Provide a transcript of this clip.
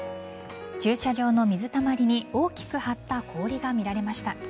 駐車場の水たまりに大きく張った氷が見られました。